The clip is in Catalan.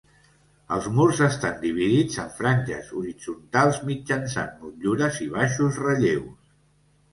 Els murs estan dividits en franges horitzontals mitjançant motllures i baixos relleus.